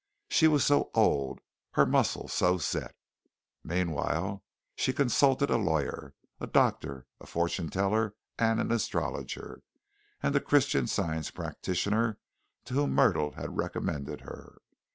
She was so old her muscles so set. Meanwhile she consulted a lawyer, a doctor, a fortune teller, an astrologer and the Christian Science practitioner to whom Myrtle had recommended her.